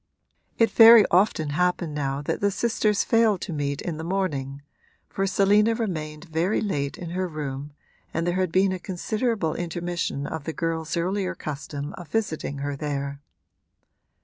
It very often happened now that the sisters failed to meet in the morning, for Selina remained very late in her room and there had been a considerable intermission of the girl's earlier custom of visiting her there.